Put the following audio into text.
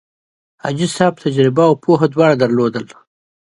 حاجي صاحب تجربه او پوه دواړه لرل.